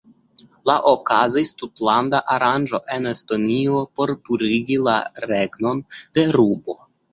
La okazis tutlanda aranĝo en Estonio por purigi la regnon de rubo.